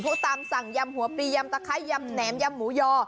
ตามสั่งยำหัวปลียำตะไคร้ยำแหนมยำหมูยอ